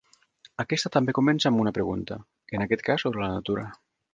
Aquesta també comença amb una pregunta, en aquest cas sobre la natura.